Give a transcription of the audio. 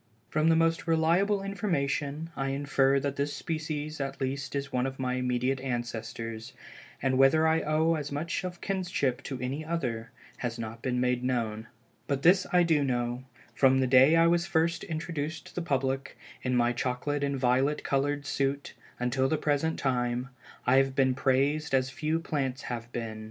From the most reliable information, I infer that this species at least is one of my immediate ancestors, and whether I owe as much of kinship to any other, has not been made known. But this I do know, from the day I was first introduced to the public, in my chocolate and violet colored suit until the present time, I have been praised as few plants have been.